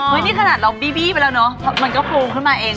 เฮ้ยนี่ขนาดเราบี้บี้ไปแล้วเนอะมันก็โพรงขึ้นมาเองเนอะ